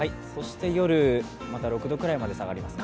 夜、また６度くらいまで下がりますか。